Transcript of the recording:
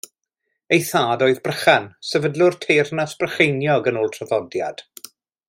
Ei thad oedd Brychan, sefydlwr teyrnas Brycheiniog yn ôl traddodiad.